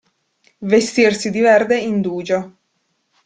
Vestirsi di verde indugio.